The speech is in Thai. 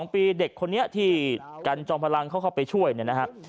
๒ปีเด็กคนนี้ที่กันจอมพลังเขาเข้าไปช่วยเนี่ยนะฮะ